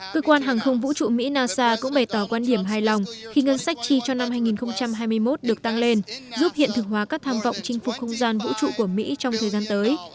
cơ quan hàng không vũ trụ mỹ nasa cũng bày tỏ quan điểm hài lòng khi ngân sách chi cho năm hai nghìn hai mươi một được tăng lên giúp hiện thực hóa các tham vọng chinh phục không gian vũ trụ của mỹ trong thời gian tới